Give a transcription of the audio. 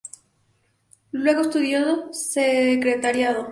Luego estudió Secretariado.